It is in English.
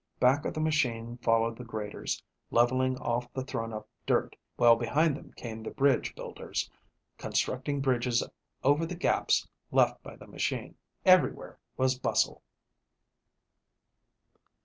Back of the machine followed the graders, leveling off the thrown up dirt, while behind them came the bridge builders, constructing bridges over the gaps left by the machine. Everywhere was bustle.